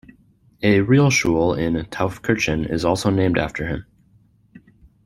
A "Realschule" in Taufkirchen is also named after him.